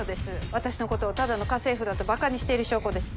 私のことをただの家政婦だとバカにしている証拠です。